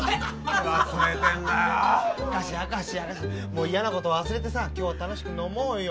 明石嫌なこと忘れてさ今日は楽しく飲もうよ